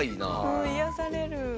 うん癒やされる。